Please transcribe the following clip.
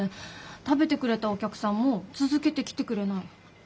食べてくれたお客さんも続けて来てくれない。